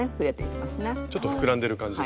ちょっと膨らんでる感じが。